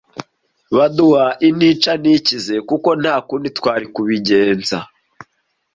baduha intica ntikize kuko ntakundi twari kubigenza